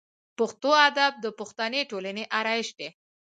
پښتو ادب د پښتني ټولنې آرایش دی.